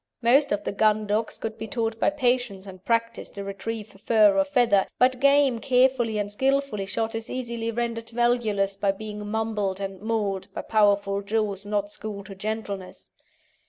Most of the gun dogs could be taught by patience and practice to retrieve fur or feather, but game carefully and skilfully shot is easily rendered valueless by being mumbled and mauled by powerful jaws not schooled to gentleness.